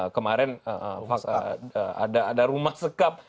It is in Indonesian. kemarin ada rumah sekap